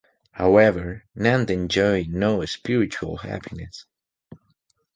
However, Nanda enjoyed no spiritual happiness.